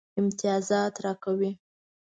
امتیازات راکوي.